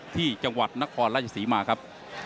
ที่จังหวัดนครราชศรีมาครับ